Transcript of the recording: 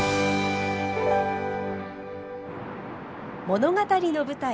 物語の舞台